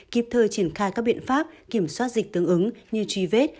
kịp thời triển khai các biện pháp kiểm soát dịch tương ứng như truy vết